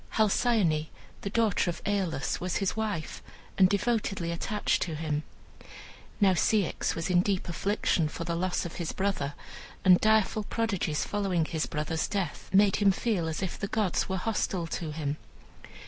Halcyone, the daughter of Aeolus, was his wife, and devotedly attached to him. Now Ceyx was in deep affliction for the loss of his brother, and direful prodigies following his brother's death made him feel as if the gods were hostile to him.